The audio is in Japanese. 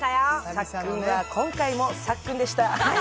さっくんは今回もさっくんでした。